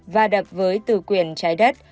và đập với từ quyển trái đất